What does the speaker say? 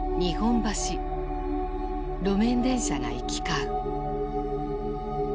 路面電車が行き交う。